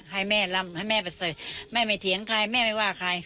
ให้แม่ลำให้แม่ไปเสยแม่ไม่เถียงใครแม่ไม่ว่าใคร